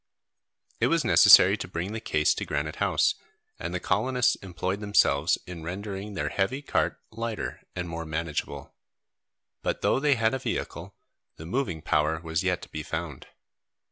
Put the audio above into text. It was necessary to bring the case to Granite House, and the colonists employed themselves in rendering their heavy cart lighter and more manageable. But though they had a vehicle, the moving power was yet to be found.